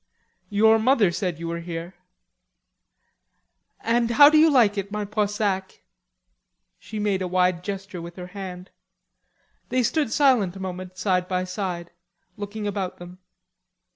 "Your mother said you were here." "And how do you like it, my Poissac?" She made a wide gesture with her hand. They stood silent a moment, side by side, looking about them.